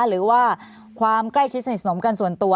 หรือว่าความใกล้ชิดสนิทสนมกันส่วนตัว